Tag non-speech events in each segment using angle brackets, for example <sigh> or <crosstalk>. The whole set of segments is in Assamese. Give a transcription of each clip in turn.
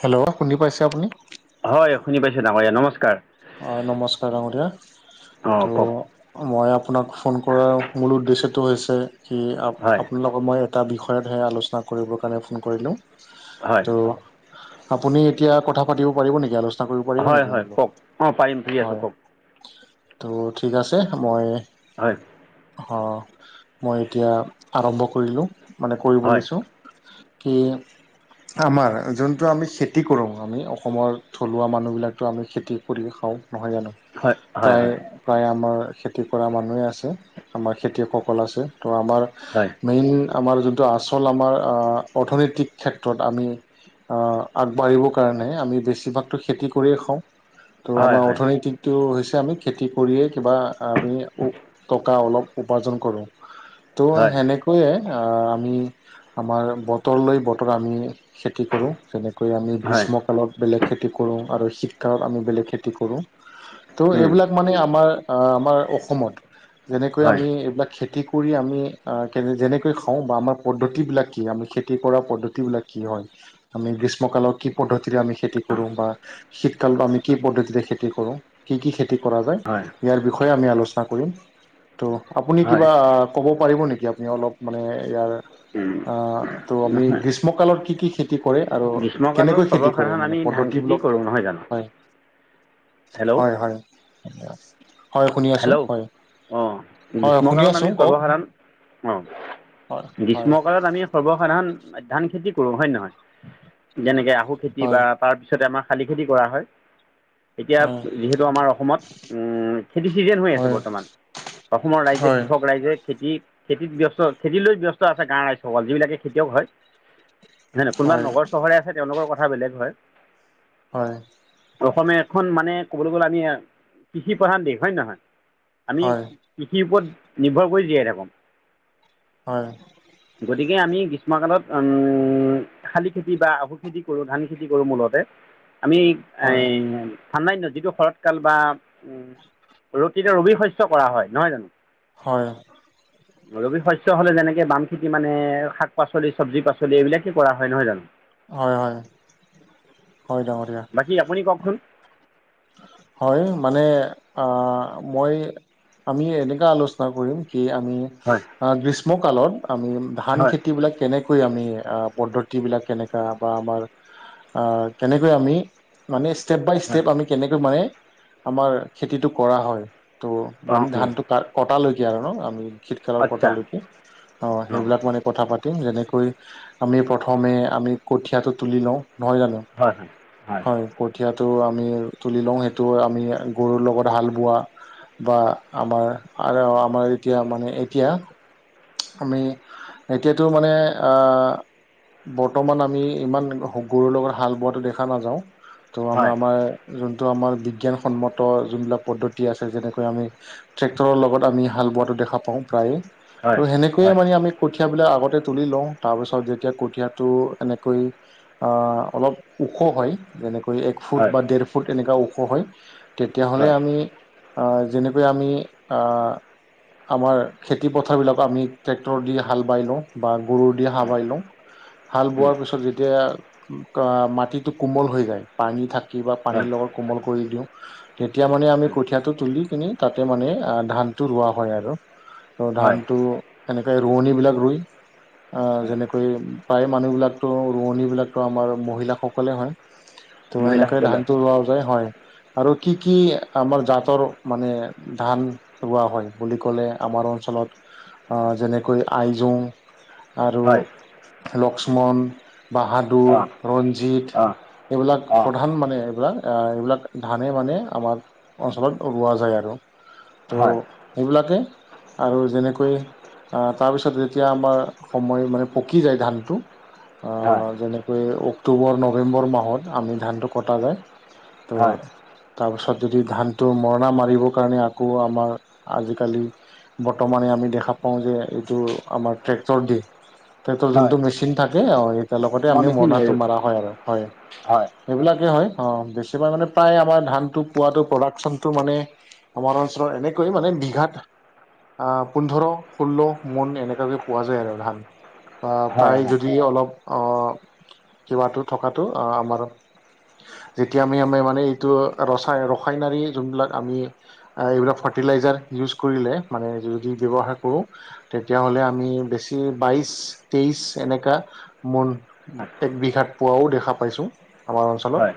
হেল্ল' শুনি পাইছে আপুনি? হয় শুনি পাইছোঁ ডাঙৰীয়া, নমস্কাৰ। অ' নমস্কাৰ ডাঙৰীয়া। অঁ কওক ত' মই আপোনাক ফোন কৰাৰ মূল উদ্দেশ্যটো হৈছে কি আ হয় <unintelligible> মই এটা বিষয়তহে আলোচনা কৰিবৰ কাৰণে ফোন কৰিলোঁ, হয় ত' আপুনি এতিয়া কথা পাতিব পাৰিব নেকি আলোচনা। কৰিব পাৰিব হয় নেকি হয় মোৰ লগত? কওক অ পাৰিম। ফ্ৰী আছোঁ হয় কওক ত' ঠিক আছে মই। হয়। অ মই এতিয়া আৰম্ভ কৰিলোঁ। মানে কৰিব হয় লৈছোঁ কি। আমাৰ যোনটো আমি খেতি কৰোঁ আমি অসমৰ থলুৱা মানুহবিলাকতো আমি খেতি। হৰি হ নহয় জানো হয় হয় প্ৰায়। হয় প্ৰায় আমাৰ খেতি কৰা মানুহেই আছে আমাৰ খেতিয়কসকল আছে তো আমাৰ। হয়। মেইন আমাৰ যোনটো আচল আমাৰ অৰ্থনৈতিক ক্ষেত্ৰত আমি। আগবাঢ়িবৰ কাৰণে আমি বেছিভাগতো খেতি কৰিয়ে খাওঁ। ত' হয় আমাৰ হয় অৰ্থনীতিকটো হৈছে আমি খেতি কৰিয়েই কিবা আমি টকা অলপ উপাৰ্জন কৰোঁ। তো হয় সেনেকৈয়ে আমি আমাৰ বতৰলৈ বতৰ আমি খেতি কৰোঁ যেনেকৈ আমি হয় গ্ৰীষ্মকালত বেলেগ খেতি কৰোঁ আৰু শীতকালত আমি বেলেগ খেতি কৰো, ত' উম, এইবিলাক মানে আমাৰ আমাৰ অসমত যেনেকৈ হয় আমি এইবিলাক খেতি কৰি আমি কেনে যেনেকৈ খাওঁ বা আমাৰ পদ্ধতিবিলাক কি, আমি খেতি কৰা পদ্ধতিবিলাক কি হয় আমি গ্ৰীষ্মকালৰ কি পদ্ধতি খেতি অঁ, কৰো বা শীতকালত আমি কি পদ্ধতি খেতি কৰো, কি কি খেতি হয় বিষয় আমি আলোচনা কৰিম আপুনি হয় কিবা। কব পাৰিব নকি আপুনি অলপ ইয়াৰ উম, তো আমি নহয় গ্ৰীষ্মকালত কি কি খেতি। খেতি কৰে আৰু গ্ৰীষ্মকালত কেনেকৈ খেতি কৰে সৰ্বসাধাৰণ মানে আমি ধান খেতি পদ্ধতিবলক কৰোঁ নহয় জানো হয়। হেল্ল' হয় হয় অ হেল্ল' আহ হয় শুনি গ্ৰীষ্মকালত আছো আমি কওক সৰ্বসাধাৰণ অ। হয় হয় গ্ৰীষ্মকালত আমি সৰ্বসাধাৰণ ধান খেতি কৰো হয় নে নহয়। যেনেকে আহু খেতি হয় বা তাৰপিছতে আমাৰ শালি খেতি কৰা হয়। এতিয়া হয় যিহেতু আমাৰ অসমত খেতি চিজন হৈ আছে হয় বৰ্তমান, অসমৰ ৰাইজে হয় কৃষক ৰাইজে খেতি খেতিত ব্যস্ত খেতি লৈ ব্যস্ত আছে গাঁৱৰ ৰাইজসকল যিবিলাকে খেতিয়ক হয় নে নহয়, কোনোবা হয় নগৰ চহৰতে আছে তেওঁলোকৰ কথা বেলেগ হয়। হয়। অসমীয়া এখন মানে ক'বলৈ গ'লে আমি কৃষি প্ৰধান দেশ হয় নে নহয়। আমি হয় কৃষিৰ ওপৰত নিৰ্ভৰ কৰি জীয়াই থাকোঁ। হয়। গতিকে আমি গ্ৰীষ্মকালত শালি খেতি বা আহু খেতি কৰোঁ ধান খেতি কৰোঁ মূলতে। আমি এ হয় ঠাণ্ডা দিনত যিটো শৰৎ কাল বা, উম তেতিয়া ৰবি শস্য কৰা হয় নহয় জানো। হয়। ৰবি শস্য হ'লে যেনেকৈ বাম খেতি মানে শাক পাচলি চব্জি পাচলি এইবিলাকেই কৰা হয় নহয় জানো। হয় হয় হয় ডাঙৰীয়া। বাকী আপুনি কওঁকচোন! হয় মানে অ' মই আমি এনেকা আলোচনা কৰিম, কি আমি হয় অ' গ্ৰীষ্ম কালত আমি ধান হয় খেতি বিলাক কেনেকে কৈ আমি পদ্ধতিবিলাক কেনেকুৱা বা আমাৰ কেনেকৈ আমি মানে ষ্টেপ বাই হয় ষ্টেপ আমি কেনেকৈ মানে আমাৰ খেতিটো কৰা হয়। ত' অঁ মানে অঁ ধানটো ক কটালৈকে আৰু ন, আমি শীতকালৰ আচ্ছা কটালৈকে, অ' অঁ সেইবিলাক মানে কথা পাতিম যেনেকৈ আমি প্ৰথমে আমি কঠীয়াটো তুলি লওঁ, নহয় জানো। হয় হয় হয়। কঠিয়াটো আমি তুলি লওঁ, সেইটো আমি গৰুৰ লগত হাল বোৱা বা আমাৰ আৰু আমাৰ এতিয়া মানে এতিয়া আমি এতিয়াতো মানে বৰ্তমান আমি ইমান গৰুৰ লগত হাল বোৱাটো দেখা নাযাওঁ, ত' আমি হয় হয় আমাৰ যোনটো আমাৰ বিজ্ঞানসন্মত যোনবিলাক পদ্ধতি আছে, যেনেকৈ আমি ট্ৰেক্টৰৰ লগত আমি হাল বোৱাটো দেখা পাওঁ প্ৰায়ে, হয় ত' সেনেকৈয়ে মানে আমি কঠিয়া বিলাক আগতে তুলি লওঁ, তাৰপিছত যেতিয়া কঠীয়াটো এনেকৈ অলপ ওখ হয়। যেনেকৈ এক ফুট হয় বা ডেৰ ফুট এনেকুৱা ওখ হয়, তেতিয়াহ'লে হয় আমি যেনেকৈ আমি আমাৰ খেতি পথাৰ বিলাকক আমি ট্ৰেক্টৰ দি হাল বাই লওঁ বা গৰুৰ দি হয় হাল হয় বাই লওঁ হাল উম, বোৱাৰ পিছত যেতিয়া মাটিটো কোমল হৈ যায় পানী থাকি বা হয় পানীৰ লগত কোমল কৰি দিওঁ তেতিয়া মানে আমি হয় কঠীয়াটো তুলি কিনি তাতে মানে ধানটো ৰোৱা হয় আৰু তো হয় ধানটো এনেকৈ ৰোৱনী বিলাক ৰুই হয় যেনেকৈ প্ৰায় মানুহ বিলাকতো ৰোৱনী বিলাকতো আমাৰ মহিলাসকলে হয়। ত' সেনেকৈ মহিলাসকলে ধানতটো লোৱা যায় হয় আৰু কি কি আমাৰ জাতৰ মানে ধান ৰোৱা হয় বুলি ক'লে আমাৰ অঞ্চলত যেনেকৈ আইজোং আৰু হয় লক্ষ্মণ, বাহাদুৰ, অঁ ৰঞ্জিত, অঁ এইবিলাক অঁ প্ৰধান মানে। য় এইবিলাক ধানে মানে আমাৰ অঞ্চলত ৰোৱা যায় আৰু, ত' হয় সেইবিলাকে আৰু যেনেকৈ তাৰপিছত যেতিয়া আমাৰ সময় মানে পকি যায় ধানটো হয় যেনেকৈ অক্টোবৰ নৱেম্বৰ মাহত আমি ধানটো কটা যায়। তো হয় তাৰপিছত যদি ধানটো মৰণা মাৰিবৰ কাৰণে আকৌ আমাৰ আজিকালি বৰ্তমানে আমি দেখা পাওঁ যে এইটো আমাৰ ট্ৰেক্টৰ দিশ ট্ৰেক্টৰ হয় যোনটো মেচিন থাকে একে লগতে মই আমি মেচিন মৰণাটো মৰা হয় আৰু হয়। হয় সেইবিলাকেই হয় অঁ বেছিভাগ মানে প্ৰায় আমাৰ ধানটো পোৱাটো প্ৰডাকশ্যনটো মানে আমাৰ অঞ্চলৰ এনেকৈ মানে বিঘাত আহ পোন্ধৰ ষোল্ল মন এনেকুৱাকে পোৱা যায় আৰু ধান হয় প্ৰায় হয় যদি অলপ কিবাটো থকাতো আমাৰ যেতিয়া আমি আমি মানে এইটো ৰাই ৰসায়নাৰী যোনবিলাক আমি এইবিলাক ফাৰ্টিলাইজাৰ ইউজ কৰিলে মানে যদি ব্যৱহাৰ কৰোঁ তেতিয়াহলে আমি বেছি বাইশ তেইশ এনেকা মুল এক বিঘাত পোৱাও দেখা পাইছোঁ আমাৰ অঞ্চলত হয়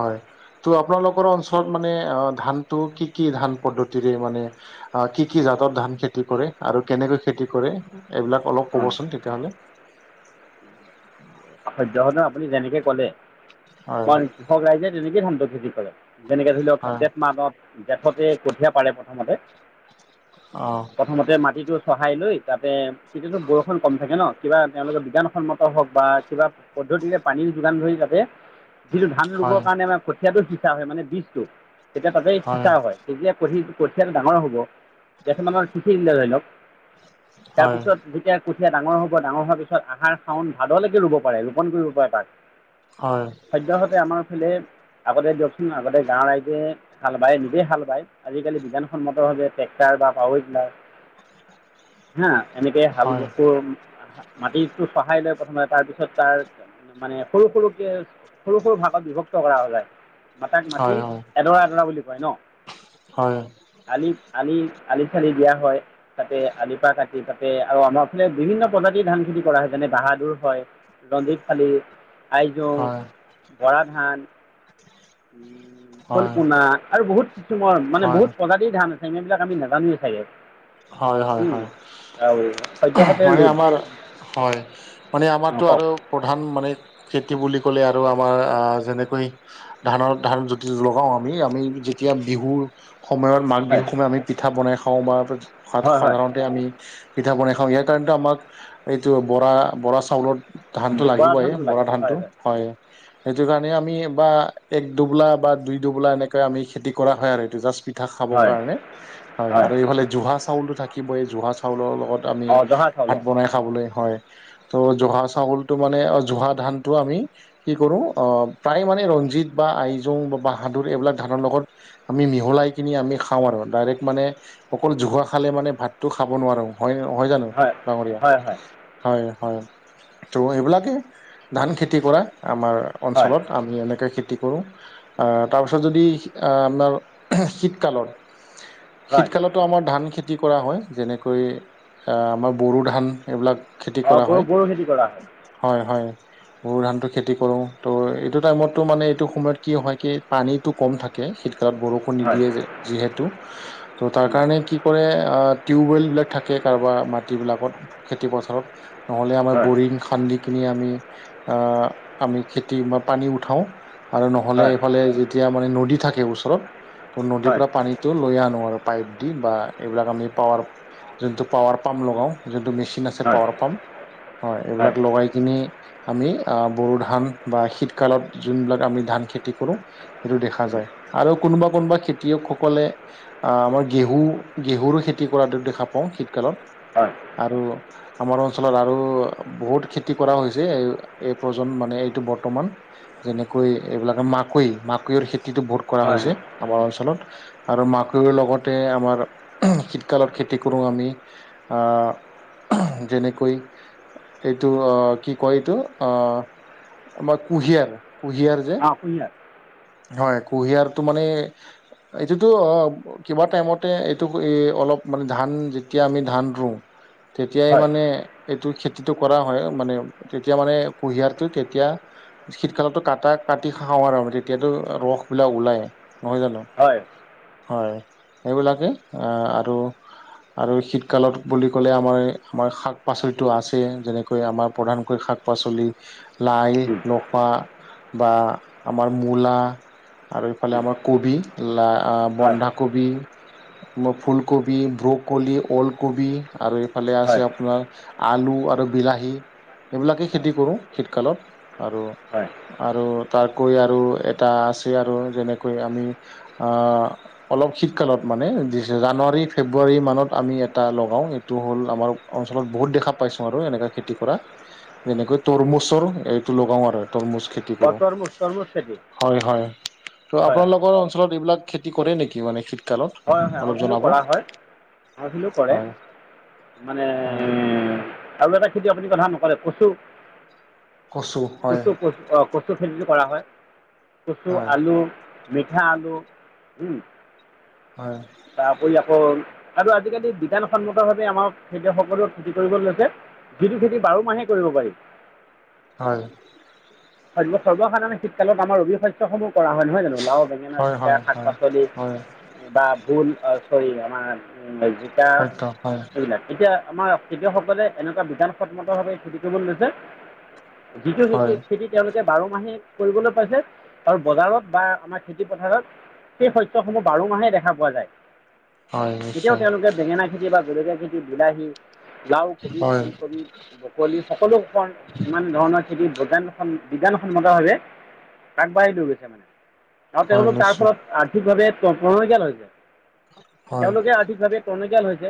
হয়। ত' আপোনালোকৰ অঞ্চলত মানে ধানটো কি কি ধান পদ্ধতিৰে মানে কি কি জাতত ধান খেতি কৰে আৰু কেনেকৈ খেতি কৰে এইবিলাক অলপ অঁ ক'বচোন তেতিয়াহ'লে। সদ্য সতে সদন আপুনি যেনেকে ক'লে হয় সব কৃষক ৰাইজে তেনেকেই ধান্ত খেতি কৰে। যেনেকে ধৰি লওক হয় জেঠ মানত জেঠতে কঠীয়া পাৰে প্ৰথমতে অ'। প্ৰথমতে মাটিটো চহাই লৈ তাতে তেতিয়াতো বৰষুণ কম থাকে ন কিবা তেওঁলোকৰ বিজ্ঞানসন্মত হওক বা কিবা পদ্ধতিৰে পানীৰ যোগান ধৰি যাতে যিটো ধান ৰুবৰ হয় কাৰণে আমাৰ কঠীয়াটো সিঁচা হয় মানে বীজটো তেতিয়া তাতে সিঁচা হয়। তেতিয়া প পঠিয়াটো ডাঙৰ হ'ব <unintelligible> দিলে ধৰি লওক হয় তাৰপিছত যেতিয়া কঠীয়া ডাঙৰ হ'ব ডাঙৰ হোৱাৰ পিছত আহাৰ শাওন ভাদলৈকে ৰুব পাৰে ৰোপণ কৰিব পাৰে তাক। হয়। সদ্য সতে আমাৰ সিফালে আগতে দিয়কচোন আগতে গাঁৱৰ ৰাইজে ভাল বায় নিজেই হাল বায় আজিকালি বিজ্ঞানসন্মতৰ ভাৱে ট্ৰেক্টাৰ বা পাৱাৰ টিলাৰ উ। <unintelligible> হা এনেকে হাল ব মাটিটো চহাই লৈ প্ৰথমে তাৰ পিছত তাত তাৰ মানে সৰু সৰুকে সৰু সৰু ভাগত বিভক্ত কৰা যায়। মাটিক হয় মাতি এডৰা এডৰা বুলি কয় ন। হয়, হয়। আলি, আলি, আলি থালি দিয়া হয়। তাতে আলিপা কাটি তাতে আৰু আমাৰ ফালে বিভিন্ন প্ৰজাতিৰ ধান খেতি কৰা হয় যেনে বাহাদুৰ হয়। ৰণজিৎ শালি ফালি হয় হয় হয় আইজং হয় বৰা ধান উ ফল পোনা আৰু বহুত কিছুমৰ মানে বহুত প্ৰজাক্ট ধান আছে সেই এইবিলাক আমি নাজানোৱে চাগে। হয়, হয়, উম, হয়। আৰু সদ্যহতে হয় ৰ'দ আমাৰ হয় মানে অঁ আমাৰতো কওক আৰু প্ৰধান মানে খেতি বুলি ক'লে আৰু আমাৰ যেনেকৈ ধানৰ ধান যদি লগাওঁ আমি আমি যেতিয়া বিহুৰ সময়ত মাঘ বিহু হয় সময়ত আমি পিঠা বনাই খাওঁ বাত হয় হয় সাধাৰণ আমি পিঠা বনাই খাওঁ ইয়াৰ কাৰণটো আমাক এইটো বৰা বৰা চাউলত ধানতটো ব- বৰা লাগিব এই ধানটো বৰা লাগে ধানতটো হয়। সেইটো কাৰণে আমি বা এক দুবোলা বা দুই দুবোলা এনেকে আমি খেতি কৰা হয় আৰু এইটো জাপি পিঠা খাবৰ হয় কাৰণে হয় আৰু এইফালে জুহা চাউলটো থাকিব এই জুহা চাউলৰ লগত আমি অঁ জহা চাউল ভাত অঁ বনাই খাবলৈ হয়। ত' জহা চাউলটো মানে জহা ধানটো আমি কি কৰো আহ প্ৰায় মানে ৰঞ্জিত বা আইজোং বা বাহাদুৰ এইবিলাক ধানৰ লগত আমি মিহলাই কিনি আমি খাওঁ আৰু ডাইৰেক্ট মানে অকল জোহা খালে মানে ভাতটো খাব নোৱাৰো হয়' হয় জানো ডাঙৰীয়া হয় হয় হয়, হয় ত' এইবিলাকেই ধানখেতি কৰা আমাৰ হয় অঞ্চলত আমি এনেকৈ খেতি কৰোঁ তাৰপিছত যদি আপোনাৰ শীতকালৰ হয় শীতকালতো আমাৰ ধান বিত্ৰি কৰা হয় যেনেকৈ আমাৰ বড়ো ধান এইবিলাক খেতি অঁ কৰা বড়ো হয়, বড়ো খেতি কৰা হয় হয়, হয়। গো ধানটো খেতি কৰোঁ ত' এইটো টাইমততো মানে এইটো সময়ত কি হয় কি পানী টো কম থাকে শীতকালত বৰষুণ হয় নিদিয়ে যে যিহেতু ত' তাৰ উম, কাৰণে কি কৰে টিউবৱেলবিলাক থাকে কাৰোবাৰ মাটিবিলাকত খেতিপথাৰত নহ'লে আমাৰ হয় বৰিং খান্দি কিনি আমি অঁ আমি খেতি মই পানী উঠাওঁ। আৰু নহ'লে হয় এইফালে যেতিয়া মানে নদী থাকে ওচৰত। টো নদীৰ হয় পৰা পানীটো লৈ আনো আৰু পাইপ দি বা এইবিলাক আমি পাৱাৰ যোনটো পাৱাৰ পাম্প লগাওঁ যোনটো মেচিন আছে হয় পাৱাৰ পাম্প। হয় এইবিলাক লগাই কিনি আমি বড়ো ধান বা শীতকালত যোনবিলাক আমি ধান খেতি কৰোঁ। সেইটো দেখা যায় আৰু কোনোবা কোনোবা খেতিয়কসকলে আ‍ঁহ আমাৰ ঘেহু ঘেহু খেতি কৰাটো দেখা পাওঁ শীতকালত হয় আৰু আমাৰ অঞ্চলত আৰু বহুত খেতি কৰা হৈছে, এই এই প্ৰজন্ম মানে এইটো বৰ্তমান। যেনেকৈ এইবিলাক মাকৈ মাকৈৰ খেতিটো বহুত কৰা হয় হৈছে আমাৰ অঞ্চলত, আৰু মাকৈৰ লগতে আমাৰ অঁহ শীতকালত খেতি কৰোঁ আমি অঁ যেনেকৈ এইটো অঁ কি কয় এইটো অ আমাৰ কুঁহিয়াৰ কুহিয়াৰ যে অঁ কুঁহিয়াৰ হয় কুঁহিয়াৰটো মানে এইটোতো অ কিবা টাইমতে এইটো অলপ মানে ধান যেতিয়া আমি ধান ৰুওঁ। তেতিয়াই হয় মানে এইটো খেতিটো কৰা হয় মানে তেতিয়া মানে কুঁহিয়াৰটো তেতিয়া শীতকালতো কাটা কাটি খাওঁ আৰু তেতিয়াতো ৰস বিলাক ওলাই নহয় জানো। হয়। হয়, এইবিলাকেই অঁ আৰু আৰু শীতকালত বুলি ক'লে আমাৰ আমাৰ শাক পাচলিটো আছে যেনেকৈ আমাৰ প্ৰধানকৈ শাক পাচলি লাই উম, লফা বা আমাৰ মূলা আৰু এইফালে উম, আমাৰ কবি লাই অঁ হয় বন্ধাকবি ফুলকবি ব্ৰকবি ঔল কবি আৰু এইফালে হয় আছে আপোনাৰ আলু আৰু বিলাহী এইবিলাকেই খেতি হয় কৰো শীতকালত আৰু হয় আৰু তাতকৈ আৰু এটা আছে আৰু যেনেকৈ আমি আঁ অলপ শীতকালত মানে জানুৱাৰী ফেব্ৰুৱাৰী মানত আমি এটা লগাওঁ। টো হ'ল আমাৰ অঞ্চলত বহুত দেখা পাইছোঁ আৰু এনেকে খেতি কৰা। যেনেকৈ তৰমুজৰ এইটো লগাও আৰু তৰমুজ খে তৰমুজ তৰমুজ খেতি হয় হয়, ত' হয় হয় আপোনালোকৰ অঞ্চলত এইবিলাক খেতি কৰে নেকি মানে শিত হয় হয়, অৰ্ভিলো কৰা হয় অৰ্ভিলো কৰে। হয় মানে হয় আৰু এটা। য আপুনি কথা নকলে, কচু কচু হয় কচু কচু অ কচু। কচু খেতিটো কৰা হয়, কচু হয় আলু মিঠা আলু। হয়। তাৰপৰি আকৌ আৰু আজিকালি বিজানসন্মত ভাৱে আমাক খেতিয়কসকলো খেতি কৰিব লৈছে। যিটো খেতি বাৰ মাহে কৰিব পাৰি। হয়। হয় সৰ্বসাধাৰণ শীতকালত আমাৰ অবিশস্যসমূহ কৰা হয়নে? নহয় জানো লাও বেঙেনা হয় জিকা হয় শাক হয় পাচলি। হয় বা ভুল অঁ চৰি আমাৰ জিকা সত্য হয় এইবিলাক তেতিয়া আমাৰ খেতিয়কসকলে এনেকুৱা বিধানসন্মত ভাৱে খেতিটো কৰিব লৈছে যিটো হয় খেতি খেতি তেওঁলোকে বাৰ মাহে কৰিবলৈ পাইছে আৰু বজাৰত বা আমাৰ খেতি পথাৰত সেই শস্যসমূহ বাৰ মাহে দেখা পোৱা যায়। হয় কেতিয়াও নিশ্চয় তেওঁলোকে বেঙেনা খেতি বা জলকীয়া খেতি, বিলাহী লাও, কবি, হয় ফুলকবি, বকলি সকলোকণ ইমান ধৰণৰ খেতি বজান আম, বিজ্ঞানসন্মতভাৱে আগবাঢ়ি লৈ গৈছে মানে আৰু হয় তেওঁলোক তাৰ নিশ্চয় ফলত আৰ্থিকভাৱে টনকিয়াল হৈছে হয় তেওঁলোকে আৰ্থিকভাৱে টনকিয়াল হৈছে।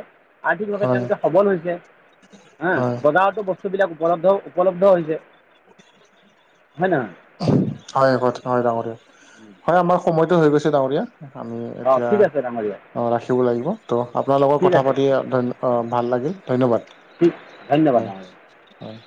আৰ্থিকভাৱে হয় তেওঁলোকে সবল হৈছে হা হয় বজাৰতো বস্তুবিলাক উপলব্ধ উপলব্ধ হৈছে। হয় নহয়? হয় আভত, হয় ডাঙৰীয়া। হয়, আমাৰ সময়টো হৈ গৈছে ডাঙৰীয়া। আমি অঁ এতিয়া ঠিক আছে ডাঙৰীয়া অ', ৰাখিব লাগিব ত' আপোনাৰ লগৰ ঠিক কথা আছে পাতি ভাল অ' লাগিল ধন্যবাদ। ঠিক ধন্যবাদ। হয় হয়।